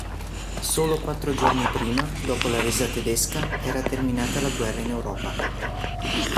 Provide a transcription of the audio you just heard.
Solo quattro giorni prima, dopo la resa tedesca, era terminata la guerra in Europa.